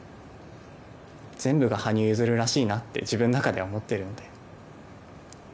全部が羽生結弦らしいなって自分の中では思ってるので。